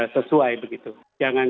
sesuai begitu jangan